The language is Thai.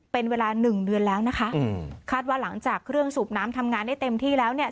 เป็นเวลาหนึ่งเดือนแล้วนะคะอืมคาดว่าหลังจากเครื่องสูบน้ำทำงานได้เต็มที่แล้วเนี่ย